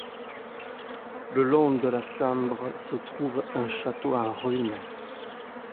Le long de la Sambre se trouve un château en ruines.